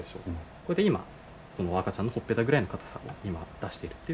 これで今赤ちゃんのほっぺたぐらいの硬さを今出してるっていう。